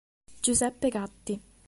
Giuseppe Gatti